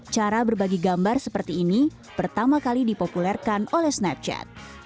cara berbagi gambar seperti ini pertama kali dipopulerkan oleh snapchat